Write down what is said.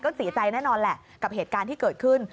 ก็เสียใจแน่นอนแหละกับเหตุการณ์ที่เกิดขึ้น